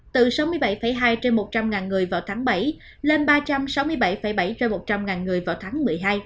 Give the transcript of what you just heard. từ sáu mươi bảy hai trên một trăm linh người vào tháng bảy lên ba trăm sáu mươi bảy bảy trên một trăm linh người vào tháng một mươi hai